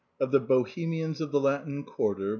14 THE BOHEMIANS OF THE LATIN QUARTER.